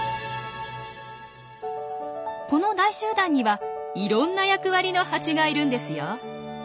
この大集団にはいろんな役割のハチがいるんですよ。